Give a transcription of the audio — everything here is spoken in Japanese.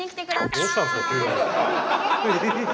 どうしたんすか？